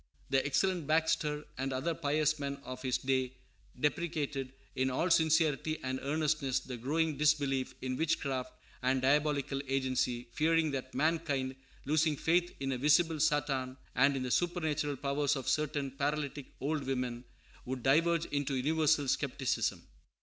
The excellent Baxter and other pious men of his day deprecated in all sincerity and earnestness the growing disbelief in witchcraft and diabolical agency, fearing that mankind, losing faith in a visible Satan and in the supernatural powers of certain paralytic old women, would diverge into universal skepticism.